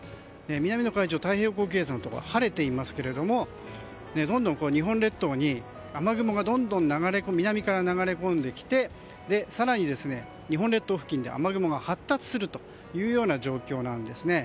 南の海上太平洋高気圧のところは晴れていますがどんどん日本列島に雨雲がどんどん南から流れ込んできて更に日本列島付近で雨雲が発達するというような状況です。